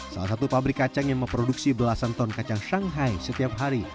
salah satu pabrik kacang yang memproduksi belasan ton kacang shanghai setiap hari